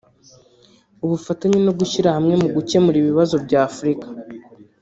ubufatanye no gushyira hamwe mu gukemura ibibazo by’Afurika